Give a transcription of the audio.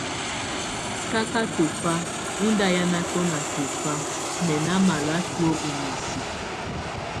Kaka tɔfa ɔ nda hiana tɔna tɔfa mɛ na mala tuə ɔ misi.